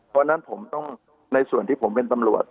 เพราะนั้นในส่วนที่ผมเป็นตำรวจ